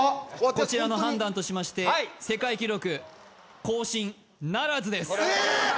こちらの判断としまして世界記録更新ならずですえっ！